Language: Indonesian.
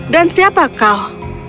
dan siapa kau